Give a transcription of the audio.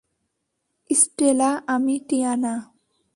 Stella, আমি Tiana!